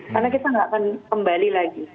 karena kita tidak akan kembali lagi